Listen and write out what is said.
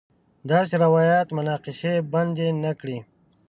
داسې روایت مناقشې بنده نه کړي.